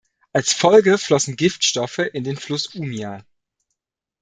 Als Folge flossen Giftstoffe in den Fluss Umia.